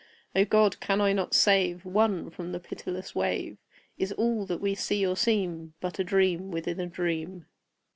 O God! can I not save One from the pitiless wave? Is all that we see or seem But a dream within a dream?